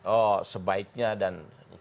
oh sebaiknya dan